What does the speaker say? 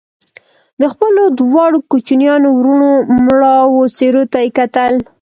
د خپلو دواړو کوچنيانو وروڼو مړاوو څېرو ته يې کتل